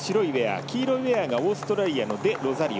黄色いウェアがオーストラリアのデロザリオ。